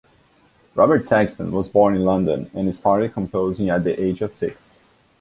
Robert Saxton was born in London and started composing at the age of six.